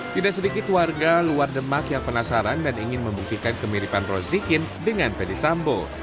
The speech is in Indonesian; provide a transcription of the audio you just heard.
tidak sedikit warga luar demak yang penasaran dan ingin membuktikan kemiripan rozikin dengan fedy sambo